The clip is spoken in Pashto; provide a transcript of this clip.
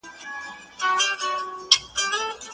په بدن کې خوښي هورمونونه خوشې کېږي.